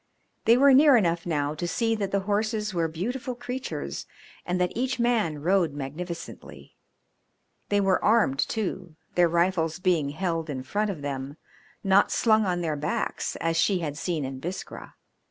They were near enough now to see that the horses were beautiful creatures and that each man rode magnificently. They were armed too, their rifles being held in front of them, not slung on their backs as she had seen in Biskra.